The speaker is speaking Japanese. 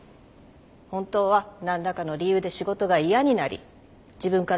本当は何らかの理由で仕事が嫌になり自分から辞めたんでしょ？